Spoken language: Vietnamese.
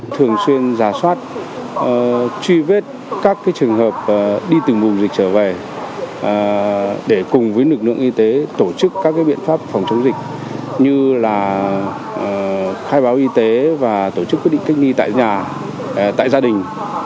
thường xuyên giả soát truy vết các trường hợp đi từ vùng dịch trở về để cùng với lực lượng y tế tổ chức các biện pháp phòng chống dịch như là khai báo y tế và tổ chức quyết định cách ly tại nhà tại gia đình